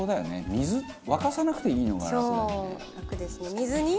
水沸かさなくていいのが楽だよね。